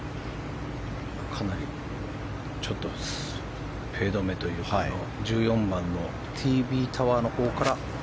かなりフェードめという１４番のＴＶタワーのほうから。